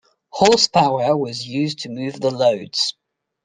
Horse power was used to move the loads.